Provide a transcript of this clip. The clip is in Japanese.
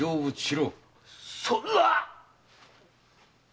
そんな！